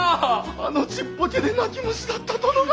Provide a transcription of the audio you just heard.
あのちっぽけで泣き虫だった殿が！